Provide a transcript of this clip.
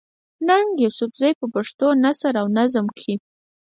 ننګ يوسفزۍ په پښتو نثر او نظم کښې